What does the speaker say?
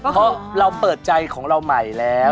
เพราะเราเปิดใจของเราใหม่แล้ว